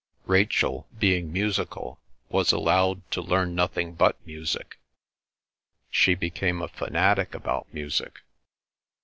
Rachel, being musical, was allowed to learn nothing but music; she became a fanatic about music.